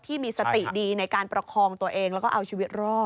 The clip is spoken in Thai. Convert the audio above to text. ที่มีสติดีในการประคองตัวเองแล้วก็เอาชีวิตรอด